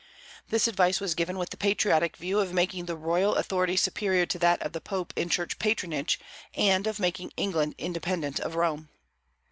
This advice was given with the patriotic view of making the royal authority superior to that of the Pope in Church patronage, and of making England independent of Rome.